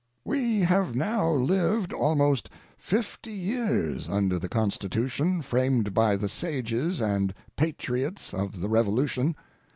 We have now lived almost fifty years under the Constitution framed by the sages and patriots of the Revolution.